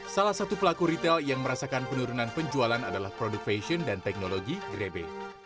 salah satu pelaku retail yang merasakan penurunan penjualan adalah produk fashion dan teknologi grabby